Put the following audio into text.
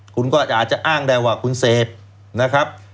คุณก็อาจจะอ้างได้ว่าคุณเสพนะครับ